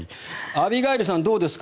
アビガイルさん、どうですか？